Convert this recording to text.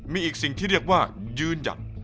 มีอีกสิ่งที่เรียกว่ายืนหยัด